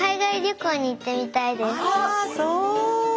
あらそう！